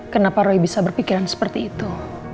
kenapa roy bisa berpikiran seperti itu